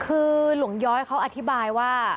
คือหลวงย้อยเขาอธิบายว่า